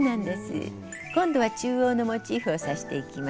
今度は中央のモチーフを刺していきます。